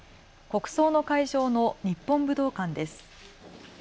国葬の会場の日本武道館です。